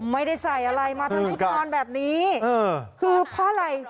ไม่ได้ใส่อะไรมาทั้งชุดนอนแบบนี้คือเพราะอะไร